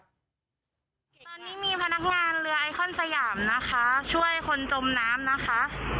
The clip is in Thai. ตอนนี้มีพนักงานเรือไอคอนสยามนะคะช่วยคนจมน้ำนะคะ